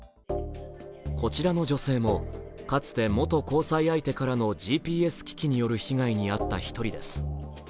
こちらの女性も、かつて元交際相手からのＧＰＳ機器による被害に遭った一人です。